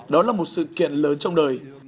đó là một sự kiện lớn trong đời